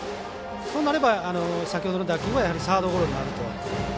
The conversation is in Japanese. そうなれば先ほどの打球はサードゴロになると。